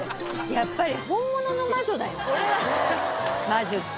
やっぱり本物の魔女だよね、真珠って。